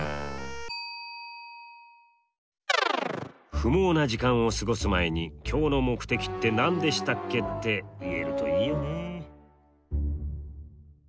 不毛な時間を過ごす前に「今日の目的って何でしたっけ？」って言えるといいよね。